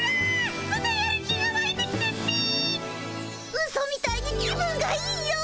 ウソみたいに気分がいいよ。